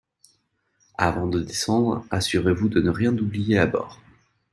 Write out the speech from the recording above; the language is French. Avant de descendre, assurez-vous de ne rien oublier à bord.